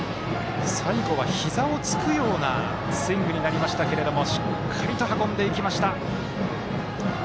最後はひざをつくようなスイングになりましたがしっかりと運んでいきました。